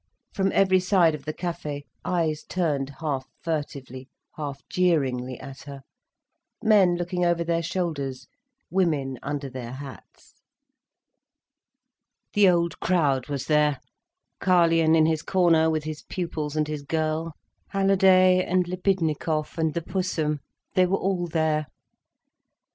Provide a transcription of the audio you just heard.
From every side of the Café, eyes turned half furtively, half jeeringly at her, men looking over their shoulders, women under their hats. The old crowd was there, Carlyon in his corner with his pupils and his girl, Halliday and Libidnikov and the Pussum—they were all there.